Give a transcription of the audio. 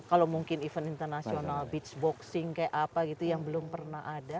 kalau mungkin event internasional beach boxing kayak apa gitu yang belum pernah ada